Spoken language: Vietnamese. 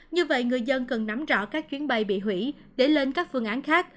như vậy người dân cần nắm rõ các chuyến bay bị hủy để lên các phương án khác